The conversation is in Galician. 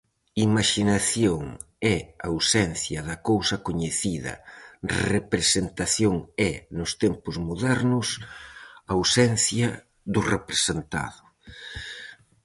Imaxinación é ausencia da cousa coñecida, representación é, nos tempos modernos, ausencia do representado.